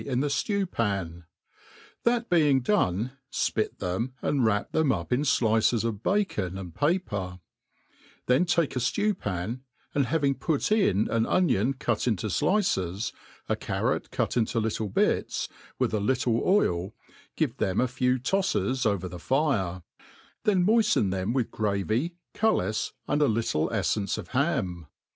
m ihh {lew pan ; that being done, fpit them, and wrap them up in flices of bacon and paper; then take a ftiew pan, and. biving put in an onion cut into flrces, a carrot cut into.little bits, with a little wl, give them a few tofles over the fire; then nioifteii them with gravy, cullis, and a little eilence of ham.